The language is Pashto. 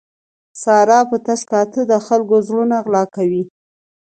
ساره په تش کاته د خلکو زړونه غلا کوي.